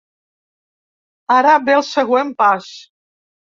Ara ve el següent pas.